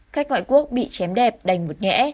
khách ngoại quốc bị chém đẹp đành mụt nhẽ